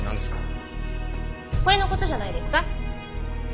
これの事じゃないですか？